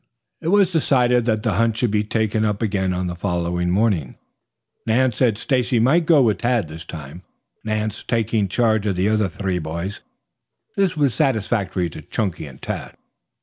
It was decided that the hunt should be taken up again on the following morning. Nance said Stacy might go with Tad this time, Nance taking charge of the other three boys. This was satisfactory to Chunky and Tad.